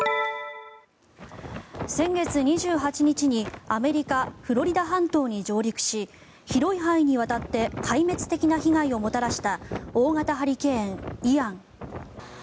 先月２８日にアメリカ・フロリダ半島に上陸し広い範囲にわたって壊滅的な被害をもたらした大型ハリケーン、イアン。